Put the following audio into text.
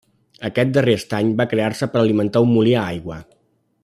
Aquest darrer estany va crear-se per alimentar un molí a aigua.